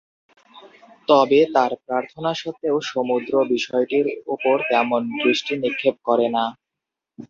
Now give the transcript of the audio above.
তবে তার প্রার্থনা সত্ত্বেও সমুদ্র বিষয়টির ওপর তেমন দৃষ্টি নিক্ষেপ করে না।